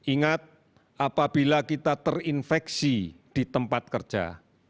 ingat apabila kita terinfeksi di tempat kerja